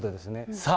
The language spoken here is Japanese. さあ、